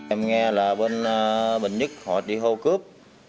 em nghe là bên bình nhích họ đi hô cướp